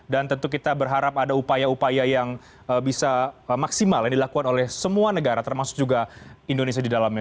dan tentu kita berharap ada upaya upaya yang bisa maksimal yang dilakukan oleh semua negara termasuk juga indonesia di dalamnya